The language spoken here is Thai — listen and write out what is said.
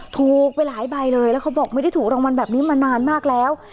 ถูกไปหลายใบเลยแล้วเขาบอกไม่ได้ถูกรางวัลแบบนี้มานานมากแล้ว